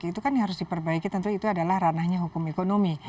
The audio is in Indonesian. itu kan yang harus diperbaiki tentu itu adalah ranahnya hukum ekonomi